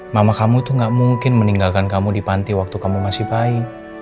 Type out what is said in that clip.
mama kamu tuh gak mungkin meninggalkan kamu di panti waktu kamu masih bayi